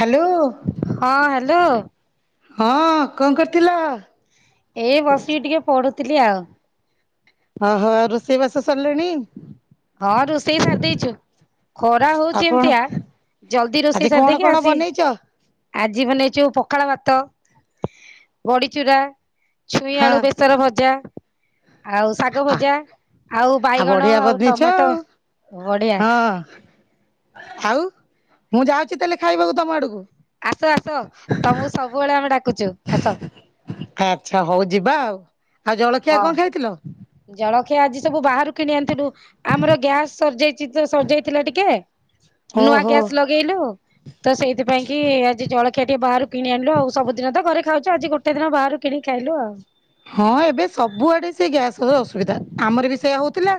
Hello. ହଁ hello. ହଁ କଣ କରୁଥିଲ? ଏଇ ବସିକି ଟିକେ ପଢୁଥିଲି ଆଉ। ଓହୋ ଆଉ ରୋଷେଇ ବାସ ସରିଲାଣି? ହଁ ରୋଷେଇ ସାରି ଦେଇଚୁ। ଖରା ଆଉ ହଉଚି କଣ ଏମତିଆ ଜଲଦି ଆଜି ରୋଷେଇ କଣ ସାରିଦକି କଣ ଆସି ବନେଇଛ? ଆଜି ମନେଇଛୁ ପଖାଳ ଭାତ ବଡିଚୁରା ଛୁଇଁ ହଁ ଆଳୁ ବେଶୀ ର ଭଜା, ଆଉ ଶାଗ ଭଜା, ଆଉ ବାଇଗଣ, ଆଉ ଛୁ ଟମାଟୋ ବଢିଆ ହଁ। ଆଉ ମୁଁ ଯାଉଚି ତାଲେ ଖାଇବାକୁ ତମ ଆଡକୁ। ଆସ ଆସ ତମକୁ ସବୁବେଳେ ଆମେ ଡାକୁଚୁ ଆସ। ଆଚ୍ଛା ହଉ ଯିବା ଆଉ ଆଉ ଜଳଖିଆ ହଁ। କଣ ଖାଇଥିଲ? ଜଳଖିଆ ଆଜି ସବୁ ବାହାରୁ କିଣି ଅଣିଥିଲୁ ଆମର ଗ୍ୟାସ ସରିଯାଇଚି ତ ସରି ଯାଇଥିଲା ଟିକେ ନୁଆ ଓହୋ ଗ୍ୟାସ ଲ ପଗେଇଲୁ ତ ସେଇଥିପାଇଁ କି ଆଜି ଜଳଖିଆ ଟିକେ ବାହାରୁ କିଣି ଆଣିଲୁ ଆଉ ସବୁଦିନ ତ ଘରେ ଖାଉଛୁ ଆଜି ଗୋଟେ ଟେ ଦିନ ବାହାରୁ କିଣଣି ଖାଇଲୁ ଆଉ। ହଁ ଏବେ ସବୁଆଡେ ସେ ଗ୍ୟାସର ଅସୁବିଧା ଆମର ବି ସେଇୟା ହଉଥିଲା।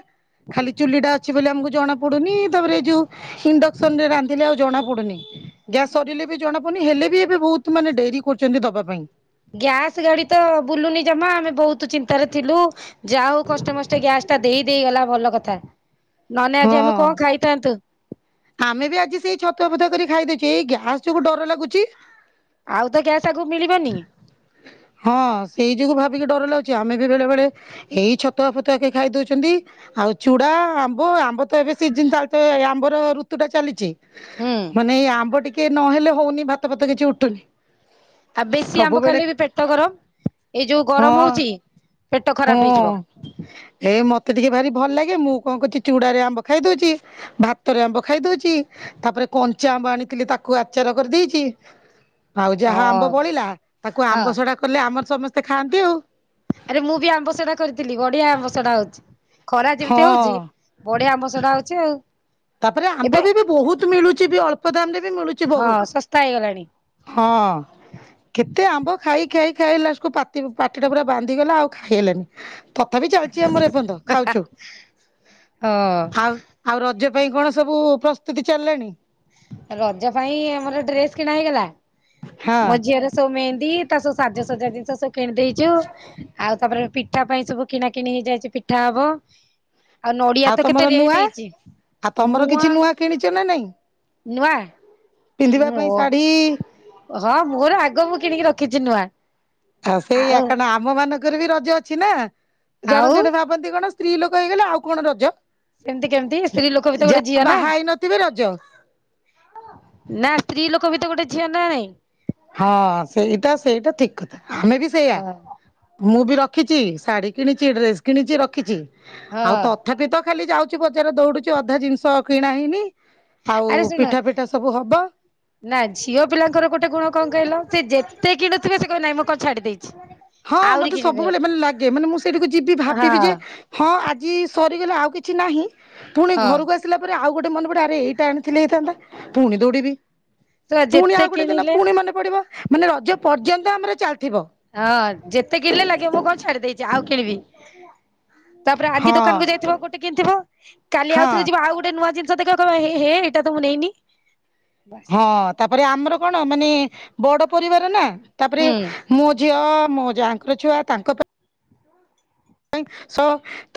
ଖାଲି ଚୁଲି ଟା ଅଛି ବୋଲି ଆମକୁ ଜଣା ପଡୁନି ତାପରେ ଏ ଯୋଉ ଇଣ୍ଡକ୍ସନ ରେ ରାନ୍ଧିଲେ ଆଉ ଜଣା ପଡୁନି। ଗ୍ୟାସ୍ ସରିଲେ ବି ଜଣାପଡ଼ନି ହେଲେ ବି ଏବେ ବହୁତ ମାନେ ଡେରି କରୁଚନ୍ତି ଦବା ପାଇଁ। ଗ୍ୟାସ ଗାଡି ତ ବୁଲୁନି ଜମା ଆମେ ବହୁତ ତୁ ଚିନ୍ତାରେ ଥିଲୁ ଯାଉ ହୋଉ କଷ୍ଟେ ମଷ୍ଟେ ଗ୍ୟାସ ଟା ଦେଇ ଦେଇ ଗଲା ଭଲ କଥା। ନହେନେ ହଁ। ଆଜି ଆମେ କଣ ଖାଇଥାନ୍ତୁ। ଆମେ ବି ଆଜି ସେଇ ଛତୁଆ ଫତୁଆ କରି ଖାଇଦେଉଚୁ ଏଇ ଗ୍ୟାସ ଯୋଗୁ ଡର ଲାଗୁଚି। ଆଉ ତ ଗ୍ୟାସ୍ ଆଗକୁ ମିଳିବନି। ହଁ ସେଇ ଯୋଗୁ ଭାବିକି ଡର ଲାଗୁଚି ଆମେ ବି ବେଳେ ବଳେ ଏଇ ଛତୁଆ ଫତୁଆ କେ ଖାଇ ଦଉଛନ୍ତି ଆଉ ଚୁଡା ଆମ୍ବ ଆମ୍ବ ତ ଏବେ ସିଜିନ ତାଲେ ତ ଆମ୍ବର ଋତୁ ଋତୁଟା ଚାଲିଛି। ହୁଁ ମାନେ ଏଇ ଆମ୍ବ ଟିକେ ନହେଲେ ହଉନି ଭାତ ଫାତ କିଛି ଉଠୁନି। ଆ ବେଶୀ ଆମ୍ବ ସବୁବେଳେ ଖାଇଲେ ବି ପେଟ ଗରମ ଏଇ ଯୋଉ ଗରମ ହଉଛି ପେଟ ଖରାପ ହେଇଯିବ। ହେ ମତେ ଟିକେ ଭାରି ଭଲ ଲାଗେ। ମୁଁ କଣ କରୁଛି ଚୁଡାରେ ଆମ୍ବ ଖାଇଦଉଛି। ଭାତରେ ଆମ୍ବ ଖାଇଦଉଛି। ତାପରେ କଞ୍ଚା ଆମ୍ବ ଆଣିଥିଲି ତାକୁ ଆଚାର କରିଦେଇଛି। ଆଉ ଯାହା ହଁ ଆମ୍ବ ବଳିଲା ତାକୁ ହଁ ଆମ୍ବ ସଢା କଲେ ଆମର ସମସ୍ତେ ଖାଆନ୍ତି ଆଉ। ଆରେ ମୁଁ ବି ଆମ୍ବ ସଢା କରିଥିଲି ବଢିଆ ଆମ୍ବ ସଢା ହଉଛି ଖରା ଯେମିତି ହଁ ହଉଛି। ବଢିଆ ଆମ୍ବ ସଢା ହଉଛି ଆଉ। ତାପରେ ଆମ୍ବ ବି ଏବେ ବୋହୁତ ମିଳୁଛି ବି ଅଳ୍ପ ଦାମ ରେ ବି ମିଳୁ ହଁ ଶସ୍ତା ହେଇଗଲାଣି। ହଁ। କେତେ ଆମ୍ବ ଖାଇ ଖାଇ ଖାଇ ଲାଷ୍ଟ କୁ ପାତି ପାଟିଟା ପୁରା ବାନ୍ଧିଗଲା ଆଉ ଖାଇ ହେଲାନି। ତଥାପି ଚାଲିଛି ଆମର ଏପର୍ଯ୍ୟନ୍ତ ଖାଉଛୁ। ହଁ ଆଉ ଆଉ ରଜ ପାଇଁ କଣ ସବୁ ପ୍ରସ୍ତୁତି ଚାଲିଲାଣି? ରଜ ପାଇଁ ଆମର ଡ୍ରେସ କିଣା ହେଇଗଲା। ହଁ ମୋ ଝିଅର ସବୁ ମେହେନ୍ଦୀ ତା ସବୁ ସାଜ ସଜା ଜିନିଷ ସବୁ କିଣିଦେଇଛୁ। ଆଉ ତାପରେ ପିଠା ପାଇଁ ସବୁ କିଣା କିିଣି ହେଇଯାଇଛି ପିଠା ହବ। ଆଉ ନଡିଆ ତ ତମର କେତେ ନୂଆ ରେଟ ହେଇଛି। ଆଉ ତମର ମୁଆଁ କିଛି ନୂଆ କିଣିଛ ନା ନାଇଁ ପିନ୍ଧିବା ନୁଅ ପାଇଁ ଶାଢୀ ହଁ ମୋର ଆଗ ମୁଁ କିଣିକି ରଖିଛି ନୂଆଁ। ଆଉ ସେଇଆ କଣ ଆମ ମାନଙ୍କର ବି ରଜ ଅଛି ନା ଆଉ ଜଣେ ଜଣେ ବା ଭାବନ୍ତି କଣ ସ୍ତ୍ରୀ ଲୋକ ହେଇଗଲେ ଆଉ କଣ ରଜ? ସେମତି କେମିତି ସ୍ତ୍ରୀ ଲୋକ ଭିତ ଗୋଟେ ଯାହା ଝିଅ ନା। ବାହା ହେଇନଥିବେ ରଜ। ନା ସ୍ତ୍ରୀ ଲୋକ ବି ତ ଗୋଟେ ଝିଅ ନା ନାଇଁ? ହଁ ସେଇଟା ସେଇଟା ଠିକ କଥା ଆମେ ବି ସେଇଆ। ହଁ ମୁଁ ବି ରଖିଛି ଶାଢୀ କିଣିଛି ଡ୍ରେସ୍ କିଣିଛି ରଖିଛି ଆଉ ହଁ ତ ତଥାପି ତ ଖାଲି ଯାଉଛି ବଜାର ଦୌଡୁଛି ଅଧା ଜିନିଷ କିଣା ହେଇନି। ଆଉ ଆରେ ଶୁଣ ପିଠା ଫିଠା ସବୁ ହବ। ନା ଝିଅ ପିଲାଙ୍କର ଗୋଟେ ଗୁଣ କଣ କହିଲ ସେ ଯେତେ କିଣୁଥିବେ ସେ କହିବେ ନାହିଁ ମୁଁ କଣ ଛାଡି ଦେଇଛି। ହଁ ଆହୁରି ମତେ କିଣିବେ ସବୁବେଳେ ମାନେ ଲାଗେ ମାନେ ମୁଁ ସେଇଠିକୁ ଯିବି ହଁ ଭାବିବି ଯେ ହଁ ଆଜି ସରିଗଲା ଆଉ କିଛି ନାହିଁ ପୁଣି ହଁ ଘରକୁ ଆସି ଥିଲା ପରେ ଆଉ ଗୋଟେ ମନ ପଡେ ଆରେ ଏଇଟା ଆଣିଥିଲେ ହେଇଥାନ୍ତା ପୁଣି ଦୌଡିବି। ତ ପୁଣି ଯେତେ ଆଉ ଗୋଟେ ଦିନ କିଣିଲେ ପୁଣି ମନେ ପଡିବ ମାନେ ରଜ ପର୍ଯ୍ୟନ୍ତ ଆମର ଚାଲିଥିବ। ହଁ ଯେତେ କିଣିଲେ ଲାଗିବ ମୁଁ କଣ ଛାଡି ଦେଇଛି ଆଉ କିଣିବି। ତାପରେ ଆଜି ହଁ। ଦୋକାନକୁ ଯାଇଥିବ ଗୋଟେ କିଣିଥିବ। କାଲି ହଁ ଆଉଥରେ ଯିବ ଆଉ ଗୋଟେ ନୂଆ ଜି ଆସିବ ଦେଖିବ କହିବ ଏ ହେ ହେ ଏଇଟା ତ ମୁଁ ନେଇନି। ହଁ ତାପରେ ଆମର କଣ ମାନେ ବଡ ପରିବାର ନା ତାପରେ ହୁଁ ମୋ ଝିଅ ମୋ ଯାଙ୍କର ଛୁଆ ତାଙ୍କ ପା ସ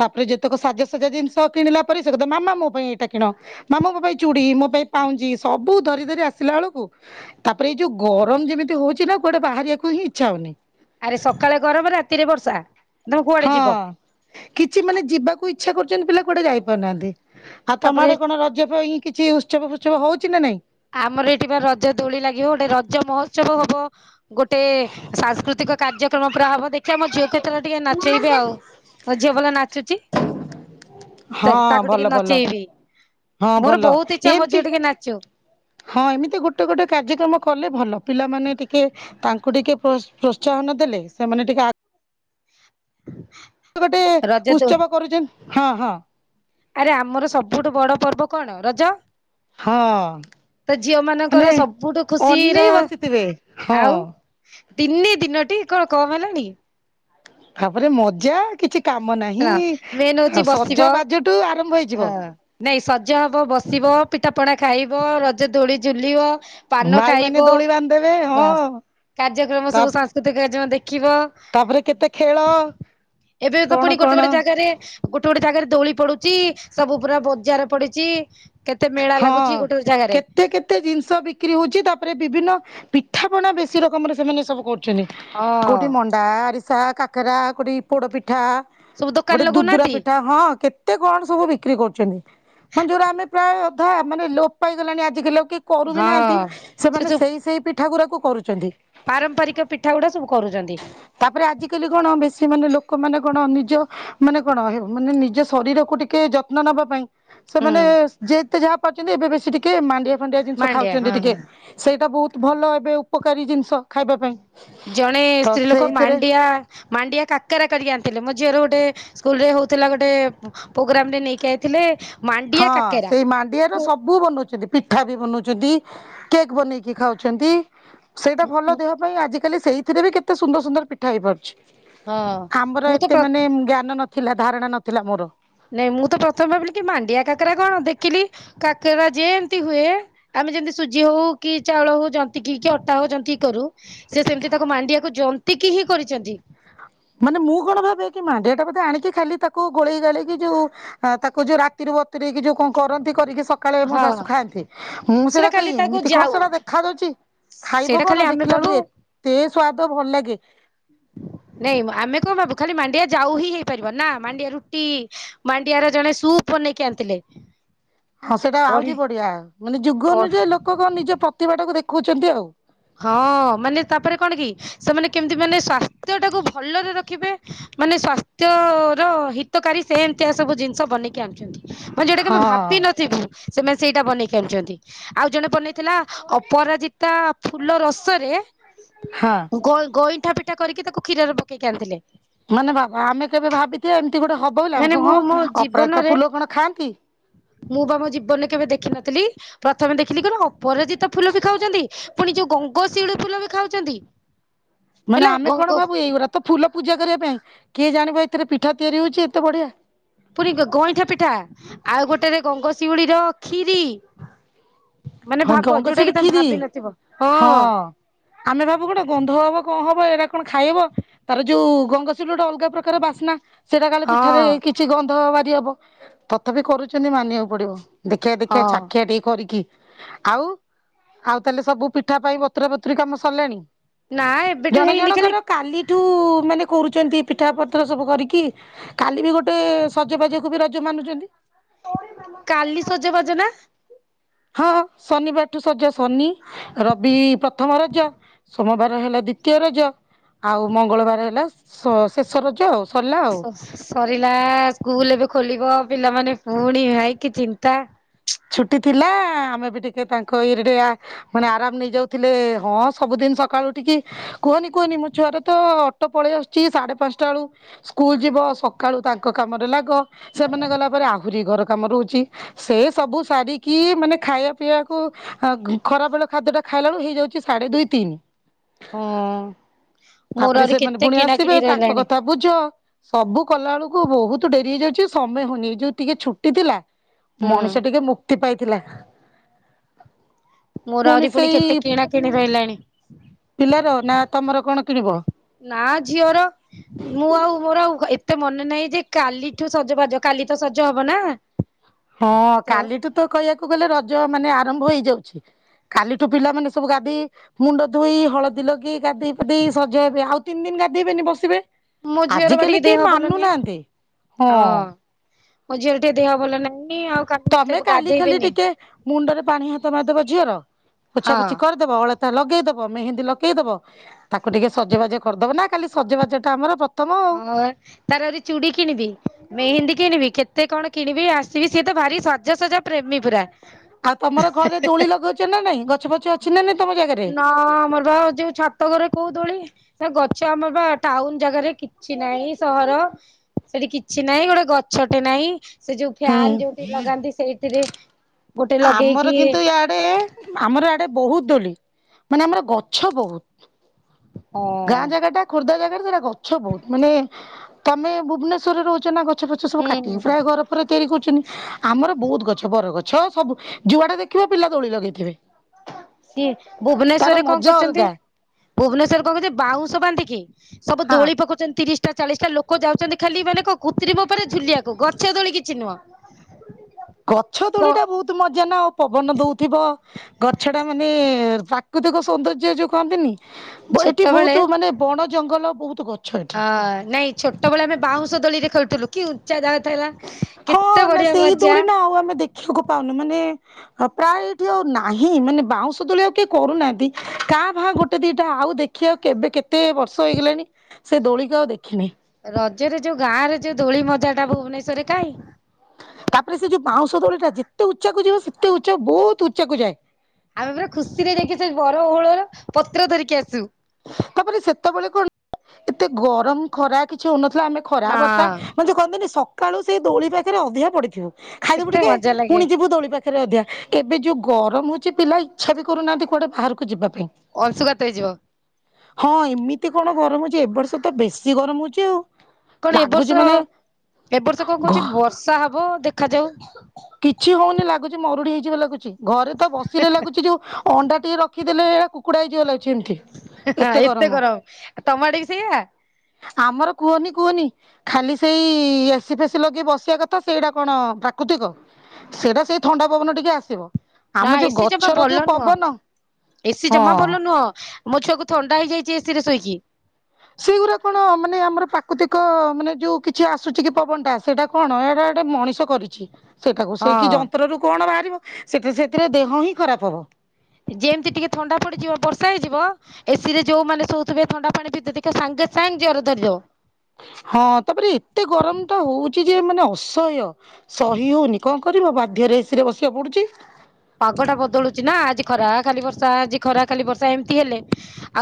ତାପରେ ଯେତେକ ସାଜସଜା ଜିନିଷ କିଣିଲା ପରେ ସେ କହୁଥିବ ମାମା ମୋ ପାଇଁ ଏଇଟା କିଣ। ମାମା ମୋ ପାଇଁ ଚୁଡି ମୋ ପାଇଁ ପାଉଁଜି ସବୁ ଧରି ଧରି ଆସିଲା ବେଳକୁ ତାପରେ ଏଇ ଯୋଉ ଗରମ ଯେମିତି ହଉଛି ନା କୁଆଡେ ବାହାରିବାକୁ ହିଁ ଇଚ୍ଛା ହଉନି। ଆରେ ସକାଳେ ଗରମ ରାତିରେ ବର୍ଷା। ତମେ କୁଆଡେ ହଁ ଯିବ କିଛି ମାନେ ଯିବାକୁ ଇଚ୍ଛା କରୁଛନ୍ତି ପିଲା କୁଆଡେ ଯାଇ ପାରୁନାହାନ୍ତି। ଆଉ ତମ ତାପରେ ଆଡେ କଣ ରଜ ପାଇଁ କିଛି ଉତ୍ସବ ଫୁତ୍ସବ ହଉଛି ନା ନାଇଁ। ଆମର ଏଠି ବା ରଜ ଦୋଳି ଲାଗିବ ଗୋଟେ ରଜ ମହୋତ୍ସବ ହବ। ଗୋଟେ ସାଂସ୍କୃତିକ କାର୍ଯ୍ୟକ୍ରମ ପୁରା ହବ ଦେଖିବା ମୋ ଝିଅ କୁ ଏଥର ଟିକେ ନାଚେଇବି ଆଉ। ମୋ ଝିଅ ଭଲ ନାଚୁଚି। ତ ହଁ ତାକୁ ଭଲ ଟିକେ ଭଲ ନଚେଇବି ହଁ ମୋର ଭଲ ବହୁତ ଇଚ୍ଛା ମୋ ଏମତି ଝିଅ ଟିକେ ନାଚୁ। ହଁ ଏମିତି ଗୋଟେ ଗୋଟେ କାର୍ଯ୍ୟକ୍ରମ କଲେ ଭଲ ପିଲାମାନେ ଟିକେ। ତାଙ୍କୁ ଟିକେ ପ୍ରୋ ପ୍ରୋତ୍ସାହନ ଦେଲେ ସେମାନେ ଟିକେ ଆଗ ହ ସେ ଗୋଟେ ଉତ୍ସବ କରୁଛନ୍ତି ହଁ ହଁ। ଆରେ ଆମର ସବୁଠୁ ବଡ ପର୍ବ କଣ ରଜ। ହଁ। ତ ଝିଅ ମାନେ ମାନଙ୍କର ସବୁଠୁ ଖୁସି ର ଅନେଇ ବସିଥିବେ ହଁ ଆଉ। ତିନି ଦିନଟି କଁ କମ ହେଲାଣି। ତାପରେ ମଜା କିଛି କାମ ଶୁଣ ନାହିଁ ମେନ୍ ହଉଛି ଆଉ ବସିବ ସଜ ବାଜଠୁ ଆରମ୍ଭ ହେଇଯିବ। ହଁ ନାଇଁ ସଜ ହବ ବସିବ ପିଠା ପଣା ଖାଇବ ରଜ ଦୋଳି ଝୁଲିବ। ପାନ ଭାଇ ମାନେ ଖାଇବ ଦୋଳି ବାନ୍ଧିଦେବେ ବାସ ହଁ କାର୍ଯ୍ୟକ୍ରମ ତା ସବୁ ସାଂସ୍କୃତିକ କାର୍ଯ୍ୟକ୍ରମ ଦେଖିବ। ତାପରେ କେତେ ଖେଳ ଏବେ ତ ପୁଣି କଣ। ଗୋଟେ ଗୋଟେ ଜାଗାରେ ଗୋଟେ ଗୋଟେ ଜାଗାରେ ଦୋଳି ପଡୁଛି ସବୁ ପୁରା ବଜାର ପଡିଛି। କେତେ ମେଳା ଲାଗୁଛି ହଁ ଗୋଟେ ଗୋଟେ ଜାଗାରେ। କେତେ କେତେ ଜିନିଷ ବିକ୍ରି ହଉଛି ତାପରେ ବିଭିନ୍ନ ପିଠା ପଣା ବେଶୀ ରକମରେ ସେମାନେ ସବୁ କର ଛନ୍ତି ହଁ କୋଉଠି ମଣ୍ଡା ଆରିସା କାକରା କୋଉଠି ପୋଡପିଠା। ସବୁ ଦୋକାନ ଗୋଟେ ଦୂର୍ଦୁରା ଲଗଉନାହାନ୍ତି। ପିଠା। ହଁ କେତେ କଣ ସବୁ ବିକ୍ରି କରୁଛନ୍ତି ମାନେ ଯୋଉ ଗୁଡା ଆମେ ପ୍ରାୟ। ପିଠା ମାନେ ଲୋପ ପାଇଗଲାଣି ଆଜିିକାଲି ଆଉ କେହି କରୁ ବିି ନାହାନ୍ତି ହଁ ସେ ସେମାନେ ସବୁ ସେଇ ସେଇ ପିଠ ପିଠା ଗୁରାକୁ କରୁଛନ୍ତି। ପାରମ୍ପରିକ ପିଠା ଗୁଡା ସବୁ କରୁଛନ୍ତି। ତାପରେ ଆଜିକାଲି କଣ ବେଶୀ ମାନେ ଲୋକମାନେ କଣ ନିଜ। ମାନେ କଣ ମାନେ ନିଜ ଶରୀରକୁ ଟିକେ ଯତ୍ନ ନବା ପାଇଁ। ହୁଁ। ସେମାନେ ଯେତେ ଯାହା ପାରୁଛନ୍ତି ଏବେ ବେଶୀ ଟିକ୍ ଟିକେ ମାଣ୍ଡିଆ ଫାଣ୍ଡିଆ ଜିନିଷ ମାଣ୍ଡିଆ ଖାଉଛନ୍ତି ହଁ ଟିକେ ହଁ ସେଇଟା ବହୁତ ଭଲ ଏବେ ଉପକାରୀ ଜିନିଷ। ଖାଇବା ପାଇଁ ଜଣେ ତ ସ୍ତ୍ରୀ ଲୋକ ସେଇଥେରେ। ମାଣ୍ଡିଆ ମାଣ୍ଡିଆ କାକରା କରିକି ଆଣିଥିଲେ। ମୋ ଝିଅର ଗୋଟେ ସ୍କୁଲରେ ହେଉଥିଲା ଗୋଟେ। ପ୍ରୋଗ୍ରାମରେ ନେଇକି ଆଇଥିଲେ। ହଁ ମାଣ୍ଡିଆ କାକେରା। ସେଇ ମାଣ୍ଡିଆର। ମୁଁ ସବୁ ବନଉଛନ୍ତି ପିଠା ବି ବନଉଛନ୍ତି କେକ୍ ବନେଇ କି ଖାଉଛନ୍ତି। ସେଇଟା ଭଲ ହଁ ଦେହ ପାଇଁ ଆଜିିକାଲି ସେଇଥିରେ ବି କେତେ ସୁନ୍ଦର ସୁନ୍ଦର ପିଠା ହେଇପାରୁଛି। ଆମର ମୁଁ ତ ଏତେ ପ୍ର ମାନେ ଜ୍ଞାନ ନଥିଲା ଧାରଣା ନଥିଲା ମୋର। ନାଇଁ ମୁଁ ତ ପ୍ରଥମେ ଭାବିଲି କି ମାଣ୍ଡିଆ କାକରା କଣ ଦେଖିଲି କାକରା ଯେମତି ହୁଏ। ଆମେ ଯେମିତି ସୁଜି ହଉ କି ଚାଉଳ ହଉ ଜନ୍ତିକି କି ଅଟା ହଉ ଜନ୍ତିକି କରୁ। ସିଏ ସେମତି ତାକୁ ମାଣ୍ଡିଆକୁ ଜନ୍ତିକି ହିଁ କରିଛନ୍ତି। ମାନେ ମୁଁ କଣ ଭାବେ କି ମାଣ୍ଡିଆ ଟା ବୋଧେ ଆଣିକି ଖାଲି ତାକୁ ଗୋଳେଇ ଗାଳେଇକି ଯୋଉ। ଆ ତାକୁ ଯୋଉ ରାତିରୁ ବତୁରେଇକି ଯୋଉ। କଁ କରନ୍ତି କରିକି ସକାଳେ ମୋ ହଁ ଶାଶୁ ଖାଆନ୍ତି। ମୁଁ ସେଇଟା ସେରାକ ଖାଲି ତାକୁ ଏମିତି କଣ ଯାଉ ସେରା ଦେଖା ଯାଉଛି? ଖାଇବ ସେଇଟା କଣ ଖାଲି ଆମେ ଦେଖିଲା ବେଳକୁ ଭାବୁ ଏତେ ସ୍ୱାଦ ଭଲ ଲାଗେ। ନାଇଁ ଆମେ କଣ ଭାବୁ ଖାଲି ମାଣ୍ଡିଆ ଯାଉ ହିଁ ହେଇପାରିବ ନା ମାଣ୍ଡିଆ ରୁଟି। ମାଣ୍ଡିଆର ଜଣେ ସୁପ୍ ବନେଇକି ଆଣିଥିଲେ। ହଁ ସେଟା ବଢି ଆହୁରି ବଢିଆ ମାନେ ଯୁଗ ବଢ ଅନୁଯାୟୀ ଲୋକ କଣ ନିଜ ପ୍ରତିଭାଟାକୁ ଦେଖୋଉଛନ୍ତି ଆଉ। ହଁ ମାନେ ତାପରେ କଣ କି ସେମାନେ କେମିତି ମାନେ ସ୍ଵାସ୍ଥ୍ୟଟାକୁ ଭଲରେ ରଖିବେ ମାନେ ସ୍ଵାସ୍ଥ୍ୟର ହିତକାରୀ ସେମତିଆ ସବୁ ଜିନିଷ ବନେଇକି ଆଣୁଛନ୍ତି। ମାନେ ଯୋଉଟା କେବେ ହଁ ଭାବିିନଥିବୁ। ସେମାନେ ସେଇଟା ବନେଇକି ଆଣୁଚନ୍ତି ଆଉ ଜଣେ ବନେଇଥିଲା ଅପରାଜିତା ଫୁଲ ରସରେ ହଁ। ଗଇଁ-ଗଇଁଠା ପିଠା କରିକି ତାକୁ କ୍ଷୀରରେ ପକେଇକି ଆଣିଥିଲେ। ମାନେ ଭାବ ଆମେ କେବେ ଭାବିଥିବା ଏମିତି ଗୋଟେ ହବ ବୋଲି ଆମେ ମାନେ କହୁ ମୁଁ ହଁ ମୋ ଅପରାଜିତା ଜୀବନରେ ଫୁଲ କଣ ଖାଆନ୍ତି? ମୁଁ ବା ମୋ ଜୀବନରେ କେବେ ଦେଖିନଥିଲି ପ୍ରଥମେ ଦେଖିଲି କଣ ଅପରାଜିତା ଫୁଲ ବି ଖାଉଛନ୍ତି? ପୁଣି ଯୋଉ ଗଙ୍ଗଶିଉଳି ଫୁଲ ବି ଖାଉଛନ୍ତି। ମାନେ ହେଲା ଆମେ କଣ ଗଙ୍ଗ ଭାବୁ ଏଇଗୋରା ତ ଫୁଲ ପୂଜା କରିବା ପାଇଁ କିଏ ଜାଣିବ ଏଥିରେ ପିଠା ତିଆରି ହୋଉଛି ଏତେ ବଢିଆ। ପୁଣି ଗ-ଗଇଁଠା ପିଠା ଆଉ ଗୋଟେରେ ଗଙ୍ଗଶିଉଳିର ଖିରି ମାନେ ହଁ ଭାବ ଯୋଉଟା ଗଙ୍ଗଶିଉଳି କି ତମେ ଖିରି ଭାବିନଥିବ ହଁ। ଆମେ ଭାବୁ କଣ ଗନ୍ଧ ହବ କଣ ହବ ଏଇରା କଣ ଖାଇହବ? ତାର ଯୋଉ ଗଙ୍ଗଶିଉଳି ଗୋଟେ ଅଲଗା ପ୍ରକାର ବାସ୍ନା। ସେଇଟା କାଳେ ହଁ ପିଠାରେ କିଛି ଗନ୍ଧ ବାରି ହବ ତଥାପି କରୁଚନ୍ତି ମାନିବାକୁ ପଡିବ। ଦେଖିଆ ଦେଖିଆ ହଁ ଚାଖିଆ ଟିକେ କରିକି। ଆଉ ଆଉ ତାହେଲେ ସବୁ ପିଠା ପାଇଁ ବତୁରା ବତୁରୀ କାମ ସରିଲାଣି? ନା ଏବେଠୁ ଜଣ ହେଇନି ଖାଲି ଜଣଙ୍କର କାଲିଠୁ ମାନେ କରୁଚନ୍ତି ପିଠା ପତ୍ର ସବୁ କରିକି କାଲି ବି ଗୋଟେ ସଜବାଜକୁ ବି ରଜ ମାନୁଚନ୍ତି। କାଲି ସଜବାଜ ନା? ହଁ ଶନିବାରଠୁ ସଜ ଶନି, ରବି ପ୍ରଥମ ରଜ। ସୋମବାର ହେଲା ଦ୍ଵିତୀୟ ରଜ ଆଉ ମଙ୍ଗଳବାର ହେଲା ସ-ଶେଷ ରଜ ଆଉ। ସରିଲା ଆଉ। ସରିଲା ସ୍କୁଲ ଏବେ ଖୋଲିବ, ପିଲାମାନେ ପୁଣି ଭାଇ କି ଚିନ୍ତା? ଛୁଟି ଥିଲା ଆମେ ବି ଟିକେ ତାଙ୍କ ଇରିଡିଆ ମାନେ ଆରାମ ନେଇ ଯାଉଥିଲେ ହଁ ସବୁଦିନ ସକାଳୁ ଉଠିକି କୁହନି କୁହନି ମୋ ଛୁଆର ତ ଅଟୋ ପଳେଇ ଆସୁଛି ସାଢେ ପାଞ୍ଚଟା ବେଳୁ ସ୍କୁଲ ଯିବ ସକାଳୁ ତାଙ୍କ କାମରେ ଲାଗ। ସେମାନେ ଗଲା ପରେ ଆହୁରି ଘର କାମ ରହୁଛି ସେ ସବୁ ସାରିକି ମାନେ ଖାଇବା ପିଇବାକୁ ଅ ଖରାବେଳ ଖାଦ୍ୟଟା ଖାଇଲା ବେଳୁ ହେଇଯାଉଛି ସାଢେ ଦୁଇ ତିନି। ହୁଁ। ତାପରେ ସେମାନେ ପୁଣି ଆସିବେ ତାଙ୍କ କଥା ବୁଝ। ସବୁ କଲା ବେଳକୁ ବହୁତ ଡେରି ହେଇଯାଉଛି ସମୟ ହୋଉନି ଏ ଯୋଉ ଟିକେ ଛୁଟି ଥିଲା। ହୁଁ ମଣିଷ ଟିକେ ମୁକ୍ତି ପାଇଥିଲା। ମୋର ଆହୁରି ପୁଣି କେତେ କିଣା କିିଣି ରହିଲାଣି। ପିଲାର ନା ତମର କଣ କିଣିବ? ନାଁ ଝିଅର। ମୁଁ ଆଉ ମୋର ଆଉ ଏତେ ମନେ ନାହିଁ ଯେ କାଲିଠୁ ସଜ ବାଜ କାଲି ତ ସଜ ହବ ନା। ହଁ କାଲିଠୁ ତ କହିବାକୁ ଗଲେ ରଜ ମାନେ ଆରମ୍ଭ ହେଇଯାଉଛି। କାଲିଠୁ ପିଲାମାନୋନେ ସବୁ ଗାଧେଇ ମୁଣ୍ଡ ଧୋଇ ହଳଦୀ ଲଗେଇ ଗାଧେଇ ପାଧେଇ ସଜ ହେବେ ଆଉ ତିନି ଦିନ ଗାଧେଇବେନି ବସିବେ। ମୋ ଝିଅର ବା ଆଜିକାଲି ଟିକେ କେହି ଦେହ ଭଲ ନୁହେଁ ମାନୁନାହାଁନ୍ତି ହଁ। ମୋ ଝିଅର ଟିକେ ଦେହ ଭଲ ନାହିଁ ଆଉ କା ତମେ କାଲି ଖାଲି ଟିକେ ମୁଣ୍ଡରେ ପାଣି ହାତ ମାରିଦବ ଝିଅର ହଁ ପୋଛାପୋଛି କରିଦ ଦବ ଅଳତା ଲଗେଇଦବ ମେହେନ୍ଦୀ ଲଗେଇଦବ। ତାକୁ ଟିକେ ସଜବାଜ କରିଦବ ନା କାଲି ସଜବାଜ ଟା ଆମର ପ୍ର ହଁ ତାର ଆଜି ଚୁଡ଼ି କିଣିଵି। ମେହେନ୍ଦୀ କିଣିବି କେତେ କଣ କିଣିବି ଆସିକି ସିଏ ତ ଭାରି ସଜାସଜା ପ୍ରେମୀ ପୁରା। ଆଉ ତମର ଘରେ ଦୋଳି ଲଗଉଚ ନା ନାଇଁ ଗଛ ଫଛ ଅଛି ନା ନାଇଁ ତମ ଜାଗାରେ? ନା ଆମର ବା ହଉଚି ଯେଉଁ ଛାତ ତମଘରେ କୋଉ ଦୋଳି ନା ଗଛ ଆମର ବା ଟାଉନ ଜାଗାରେ କିଛି ନାହିଁ ସହର ସେଠି କିଛି ନାହିଁ ଗୋଟେ ଗଛଟେ ନାାଇଁ ସେ ଯୋଉ ହୁଁ ଫ୍ୟାନ ଯୋଉଠି ଲଗାନ୍ତି ସେଇଥିରେ ଗୋଟେ ଆମର ଲଗେଇକି କିନ୍ତୁ ଇଆଡେ ଆମର ଆଡେ ବହୁତ ଦୋଲି ମାନେ ଆମର ଗଛ ବହୁତ। ହଁ ଗାଁ ଜାଗା ଟା ଖୋର୍ଦ୍ଧା ଜାଗାରେ ସେରା ଗଛ ବହୁତ ମାନେ ତମେ ଭୁବନେଶ୍ୱରରେ ରହୁଛ ନା ଗଛ ଫଛ ସବୁ କାଟି ହୁଁ ପ୍ରାୟ ଘର ଉପରେ ତିଆରି କରୁୁଛନ୍ତି ଆମର ବହୁତ ଗଛ ବର ଗଛ ସବୁ ଯୁଆଡେ ଦେଖିବ ପିଲା ଦୋଳି ଲଗେଇଥିବେ। ଇଏ ତାର ଭୁବନେଶ୍ଵରରେ କଣ ମଜା କରୁଛନ୍ତି ଅଲଗା ଭୁବନେଶ୍ଵରରେ କଣ କରୁଛନ୍ତି ବାଉଁଶ ବାନ୍ଧିକି ସବୁ ହଁ। ଦୋଳି ପକଉଛନ୍ତି ତିରିଶ ତିରିଶିଟା ଚାଳିଶ ଟା ଲୋକ ଯାଉଛନ୍ତି ଖାଲି ମାନେ କଣ କୁତ୍ରିମ ଉପରେ ଝୁଲିବାକୁ ଗଛ ତୋଳିି କିଛି ନୁହଁ। ଗଛ କ ଦୋଳି ଟା ବହୁତ ମଜା ନା ଆଉ ପବନ ଦଉଥିବ ଗଛ ଟା ମାନେ ପ୍ରାକୃତିକ ସୌନ୍ଦର୍ଯ୍ୟ ଯୋଉ କହନ୍ତିନି ଏଠି ଛୋଟବେଳେ ବହୁତ ମାନେ ବଣ ଜଙ୍ଗଲ ବହୁତ ଗ ଅ ନାଇଁ ଛୋଟବେଳେ ଆମେ ବାଉଁଶ ଦୋଳିରେ ଖେଳୁଥିଲୁ। କି ଉଚ୍ଚା ଜାଗା ଥିଲା କେତେ ବଢିଆ ମଜା। [unintelligible] ପାଉନି ମାନେ ହଁ ପ୍ରାୟେ ଏଇଠି ଆଉ ନାହିଁ ମାନେ ବାଉଁଶ ଦୋଳି ଆଉ କିଏ କରୁନାହାନ୍ତି କାଁ ଭା ଗୋଟେ ଦିଟା ଆଉ ଦେଖ ଏଠି ଆଉ କେବେ କେତେ ବର୍ଷ ହେଇଗଲାଣି ସେ ଦୋଳିିକି ଆଉ ଦେଖିନି। ରଜରେ ଯୋଉ ଗାଁ ରେ ଯୋଉ ଦୋଳି ମଜା ଟା ଭୁବନେଶ୍ୱର ରେ କାାଇଁ। ତାପରେ ସେ ଯୋଉଁ ବାଉଁଶ ଦୋଳିଟା ଯେତେ ଉଚ୍ଚାକୁ ଯିବ ସେତେ ଉଚ୍ଚା ବହୁତ ଉଚ୍ଚାକୁ ଯାଏ। ଆମେ ପୁରା ଖୁସିରେ ଯାଇକି ସେ ବର ଓହଳର ପତ୍ର ଧରିକି ଆସୁ। ତାପରେ ସେତେବେଳେ କଣ ଏତେ ଗରମ ଖରା କିଛି ହଉନଥିଲା ଆମେ ଖରା ନା ବର୍ଷା ମାନେ ଯୋଉ କହନ୍ତିନି ସକାଳୁ ସେ ଦୋଳି ପାଖରେ ଅଧିଆ ପଡିଥିବୁ ଖାଇଦବୁ କେତେ ଟିକେ ମଜା ଲାଗେ ପୁଣିଜିବୁ ଦୋଳି ପାଖ ହେରେ ଅଧିଆ ଏବେ ଯୋଉଁ ଗରମ ହଉଛି ପିଲା ଇଚ୍ଛା ବି କରୁନାହାନ୍ତି କୁଆଡ଼େ ବାହାରକୁ ଯିବା ପାଇଁ। ଅଂଶୁ ଘାତ ହେଇଯିବ। ହଁ ଏମିତି କଣ ଗରମ ଯେ ଏ ବର୍ଷ ତ ବେଶୀ ଗରମ ହଉଛି ଆଉ। କଣ ଏ ଲାଗୁଛି ବର୍ଷ ମାନେ ଏ ବର୍ଷ କଣ ଘ କହୁଛି ବର୍ଷା ହବ ଦେଖାଯାଉ। କିଛି ହଉନି ଲାଗୁଛି ମରୁଡି ହେଇଯିବ ଲାଗୁଛି ଘରେ ତ ବସିଲେ ଲାଗୁଛି ଯୋଉ ଅଣ୍ଡା ଟିଏ ରଖିଦେଲେ ଏ କୁକୁଡ଼ା ହେଇଯିବ ଲାଗୁଚି। ହା ହା ଏତେ ଗରମ ତମ ଆଡେବି ସେଇଆ। ଆମର କୁହନି କୁହନି। ଖାଲି ସେଇ ଏସି ଫେସି ଲଗେଇ ବସିବା କଥା ସେଇଟା କଣ ପ୍ରାକୃତିକ? ସେଇଟା ସେଇ ଥଣ୍ଡା ପବନ ଟିକେ ଆସିବ। ନା ଆମ ଯୋଉ ଏସିି ଜମା ଗଛର ଯୋଉ ଭଲ ନୁହଁ ପବନ ଏସିି ଜମା ହଁ ଭଲ ନୁହଁ। ମୋ ଛୁଆକୁ ଥଣ୍ଡା ହେଇଯାଇଛି ଏସିରେ ଶୋଇକି। ସେଇଗୁଡା କଣ ମାନେ ଆମର ପ୍ରାକୃତିକ ମାନେ ଯୋଉ କିଛି ଆସୁଛି କି ପବନ ଟା ଆସୁଛି। ସେଇଟା କଣ ଏଇଟା ଗଟେ ମଣିଷ କରିଚି। ସେଠାକୁ ସେ ହଁ କିି ଯନ୍ତ୍ରରୁ କଣ ବାହାରିବ ସେ ସେଥିରେ ଦେହ ହିଁ ଖରାପ ହେବ। ଯେମତି ଟିକେ ଥଣ୍ଡା ପଡିଯିବ, ବର୍ଷା ହେଇଯିବ ଏସି ରେ ଯୋଉ ମାନେ ସୋଉଥିବେ ଥଣ୍ଡା ପାଣି ପିଇଦେବେ ଦେଖିବେ ସାଙ୍ଗେ ସାଙ୍ଗେ ଜ୍ୱର ଧରିଦବ। ହଁ, ତାପରେ ଏତେ ଗରମ ତ ହଉଛି ଯେ ମାନେ ଅସହ୍ୟ, ସହି ହଉନି କଣ କ କରିବ, ବାଧ୍ୟରେ ଏସିରେ ବସିବାକୁ ପଡୁଛି। ପାଗଟା ବଦଳୁଚି ନା ଆଜି ଖରା ଖାଲି ବର୍ଷା ଆଜି ଖରା ଖାଲି ବର୍ଷା ଏମିତି ହେଲେ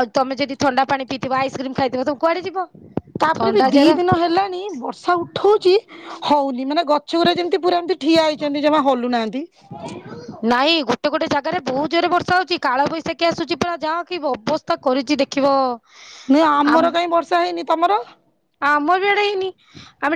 ଆଉ ତମେ ଯଦି ଥଣ୍ଡା ପାଣି ପିଇଥିବ, ଆଇକ୍ରିମ ଖାଇଥିବ ତ କୁଆଡେ ଯିବ। ତାପରେ ବି ଥଣ୍ଡା ଦି ଜର ଦିନ ହେଲାଣି ବର୍ଷା ଉ ଉଠଉଛି ହଉନି। ମାନେ ଗଛ ଗୁଡା ଯେମିତି ପୁରା ଏମିତି ଠିଆ ହେଇଛନ୍ତି ଯମା ହଲୁନାହାନ୍ତି। ନାଇଁ ଗୋଟେ ଗୋଟେ ଜାଗାରେ ବହୁତ ଜୋରରେ ବର୍ଷା ହଉଛି। କାଳବୈଶାଖୀ ଆସୁଛି ପା ଯାହା କି ଅବ ତ କରିଚି ଦେଖିବ। ନଁ ଆମର କାଇହିଁ ବର୍ଷା ହେଇନି। ତମର? ଆମ ବି ଆଡେ ହେଇନି। ଆମେ